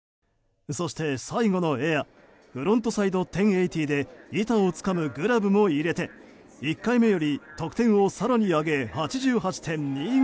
そして、最後のエアフロントサイド１０８０で板をつかむグラブも入れて１回目より得点を更に上げ８８．２５。